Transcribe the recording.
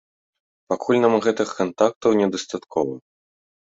Пакуль нам гэтых кантактаў не дастаткова.